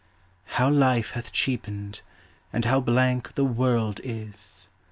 How life hath cheapened, and how blank The Worlde is!